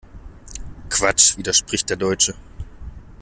Quatsch!, widerspricht der Deutsche.